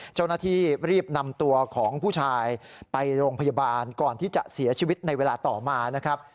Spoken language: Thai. เจ้าหน้าที่รีบนำตัวของผู้ชายไปโรงพยาบาลก่อนที่จะเสียชีวิตในเวลาต่อมานะครับ